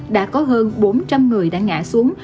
đã có hơn bốn trăm linh người đã ngã xuống